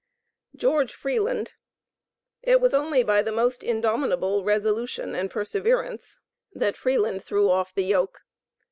GEORGE FREELAND. It was only by the most indomitable resolution and perseverance, that Freeland threw off the yoke.